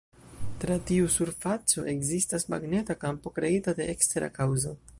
Tra tiu surfaco ekzistas magneta kampo kreita de ekstera kaŭzo.